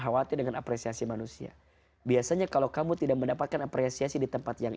khawatir dengan apresiasi manusia biasanya kalau kamu tidak mendapatkan apresiasi di tempat yang